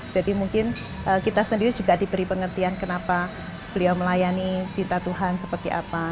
jadi mungkin kita sendiri juga diberi pengertian kenapa beliau melayani cinta tuhan seperti apa